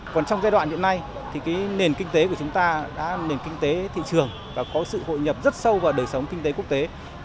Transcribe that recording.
còn trong giai đoạn hiện nay thì cái nền kinh tế của chúng ta đã là nền kinh tế thị trường và có sự hội nhập rất sâu vào đời sống kinh tế quốc tế